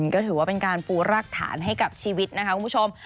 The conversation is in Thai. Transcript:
ก็ถือว่าเป็นการปูรักฐานให้กับชีวิตนะคะคุณผู้ชม